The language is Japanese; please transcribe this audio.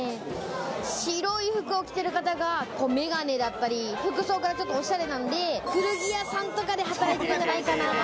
白い服を着てる方が眼鏡だったり、服装がちょっとおしゃれなんで、古着屋さんとかで働いてる方じゃないかな。